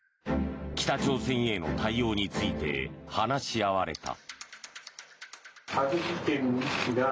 北朝鮮への対応について話し合われた。